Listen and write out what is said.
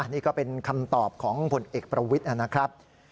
นี่ก็เป็นคำตอบของผลเอกประวิทย์นะครับ